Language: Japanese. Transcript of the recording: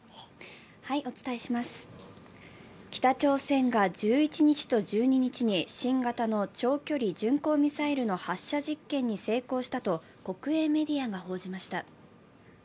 北朝鮮が１１日と１２日に新型の長距離巡航ミサイルの発射実験に成功したと国営メディアが報じました。